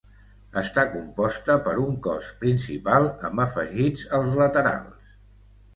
Està composta per un cos principal amb afegits als laterals.